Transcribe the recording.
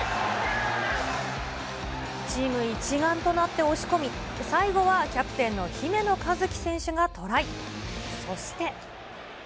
チーム一丸となって押し込み、最後はキャプテンの姫野和樹選手がトライ。